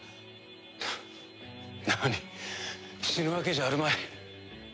フッ何死ぬわけじゃあるまい。